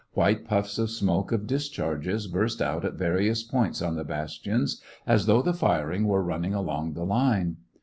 White puffs of smoke of discharges burst out at various points on the bastions, as though the firing were running along the line.